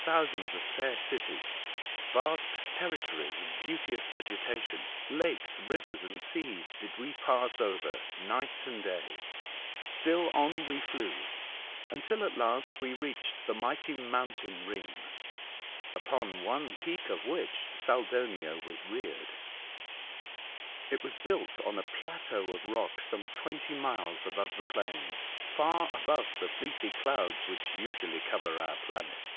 Thousands of fair cities, vast territories of beauteous vegetation, lakes, rivers, and seas did A Strange ProposaL 93 we pass over, night and day. Still on we flew, until, at last, we reached the mighty mountain ring, upon one peak of which Saldonio was reared. It was built on a plateau of rock some twenty miles above the plains, far above the fleecy clouds which usually cover our planet.